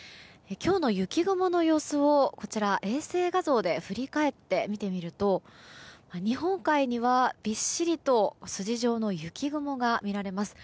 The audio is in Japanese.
今日の雪雲の様子を衛星画像で振り返って見てみると日本海には、びっしりと筋状の雪雲が見られます。